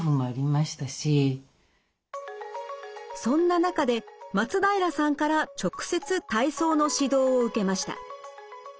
そんな中で松平さんから直接体操の指導を受けました。